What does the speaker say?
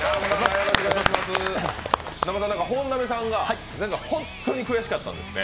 本並さんが前回、本当に悔しかったんですって。